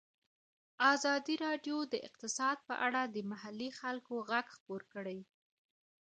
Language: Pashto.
ازادي راډیو د اقتصاد په اړه د محلي خلکو غږ خپور کړی.